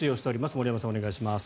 森山さん、お願いします。